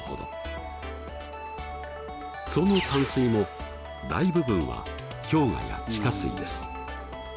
その淡水も大部分は氷河や地下水です。